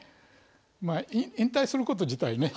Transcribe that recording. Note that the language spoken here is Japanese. まあ引退すること自体ね